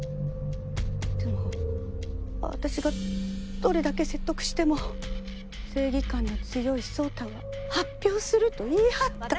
でも私がどれだけ説得しても正義感の強い宗太は発表すると言い張った。